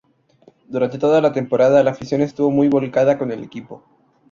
Durante toda la temporada la afición estuvo muy volcada con el equipo.